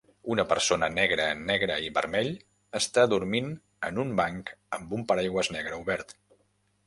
Una persona negra en negre i vermell està dormint en un banc amb un paraigües negre obert